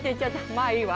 まぁいいわ。